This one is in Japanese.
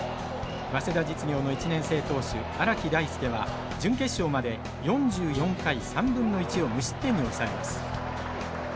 早稲田実業の１年生投手荒木大輔は準決勝まで４４回３分の１を無失点に抑えます。